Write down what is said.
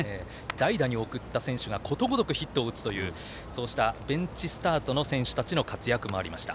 代打に送った選手がことごとくヒットを打つというそうしたベンチスタートの選手たちの活躍もありました。